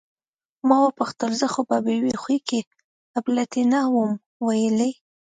ما وپوښتل: زه خو به په بې هوښۍ کې اپلتې نه وم ویلي؟